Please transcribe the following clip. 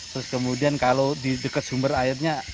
terus kemudian kalau di dekat sumber airnya